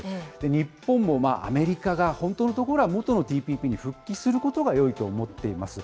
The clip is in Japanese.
日本もアメリカが本当のところは、元のＴＰＰに復帰することがよいと思っています。